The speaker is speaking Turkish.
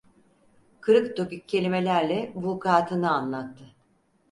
Kırık dökük kelimelerle vukuatını anlattı.